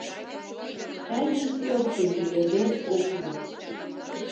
— Тыйым, Степкин, лӱйыде ок лий...